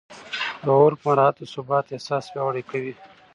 د عرف مراعات د ثبات احساس پیاوړی کوي.